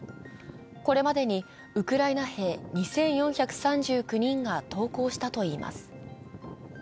これまでにウクライナ兵２４３９人が投降したといいます。